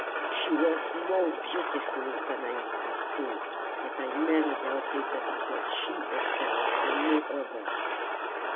She was far more beautiful than I had thought, but I never doubted that it was she herself and no other.